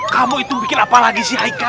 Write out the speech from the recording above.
kamu itu bikin apa lagi sih